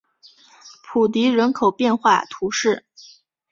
普迪人口变化图示